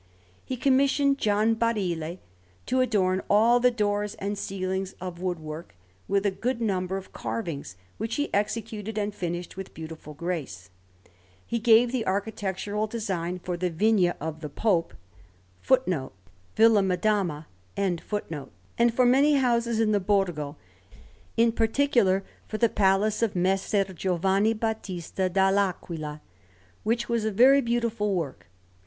He commissioned Gian Barile to adorn all the doors and ceilings of woodwork with a good number of carvings, which he executed and finished with beautiful grace. He gave architectural designs for the Vigna of the Pope, and for many houses in the Borgo; in particular, for the Palace of Messer Giovanni Battista dall' Aquila, which was a very beautiful work.